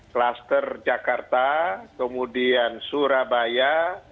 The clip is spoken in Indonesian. klaster jakarta kemudian surabaya